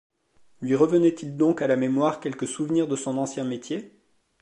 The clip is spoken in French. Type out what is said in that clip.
Lui revenait-il donc à la mémoire quelque souvenir de son ancien métier?